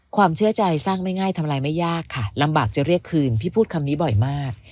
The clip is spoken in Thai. ความเชื่อใจสร้างไม่ง่ายทำอะไรไม่ยากค่ะลำบากจะเรียกคืนพี่พูดคำนี้บ่อยมาก